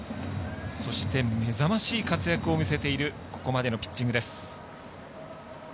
そして、目覚ましい活躍を見せているここまでのピッチングです。